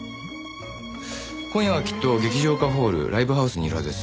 今夜はきっと劇場かホールライブハウスにいるはずです。